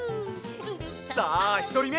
さあひとりめ！